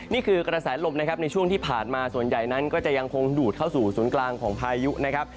นี่คือกระแสลมนะครับในช่วงที่ผ่านมาส่วนใหญ่นั้นก็จะยังคงดูดเข้าสู่ศูนย์กลางของพายุนะครับ